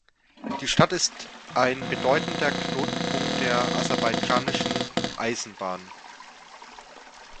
Die Stadt ist ein bedeutender Knotenpunkt der Aserbaidschanischen Eisenbahn.